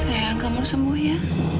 sayang kamu sembuh ya